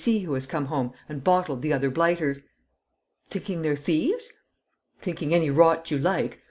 C. who has come home and bottled the other blighters." "Thinking they're thieves?" "Thinking any rot you like!